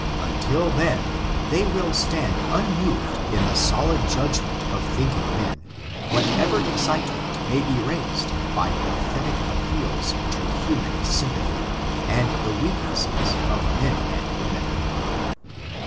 UntU then, they will stand unmoved in the solid judgment of thinking men, whatever excite ment may be raised by pathetic appeals to human sympathy, and the weaknesses of men and women.